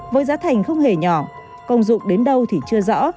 với giá thành không hề nhỏ công dụng đến đâu thì chưa rõ